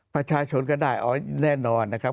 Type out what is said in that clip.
ประชาชนก็ได้อ๋อแน่นอนนะครับ